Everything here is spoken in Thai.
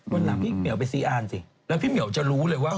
วันหลังพี่เหมียวไปซีอ่านสิแล้วพี่เหมียวจะรู้เลยว่า